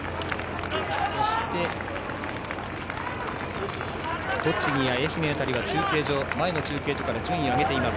そして栃木や愛媛辺りは前の中継所から順位を上げています。